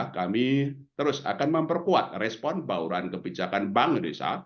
kami terus akan memperkuat respon bauran kebijakan bank indonesia